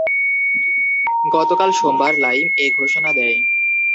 গতকাল সোমবার লাইম এ ঘোষণা দেয়।